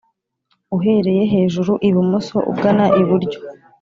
uhereye hejuru ibumoso ugana iburyo